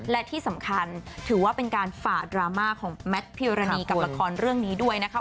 และที่สำคัญถือว่าเป็นการฝ่าดราม่าของแมทพิวรณีกับละครเรื่องนี้ด้วยนะคะ